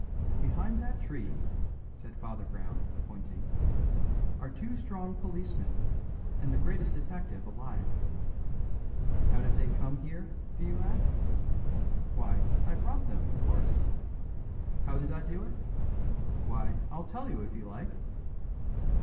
"Behind that tree," said Father Brown, pointing, "are two strong policemen and the greatest detective alive. How did they come here, do you ask? Why, I brought them, of course! How did I do it? Why, I'll tell you if you like!